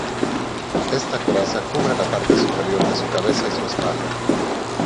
Esta coraza cubre la parte superior de su cabeza y su espalda.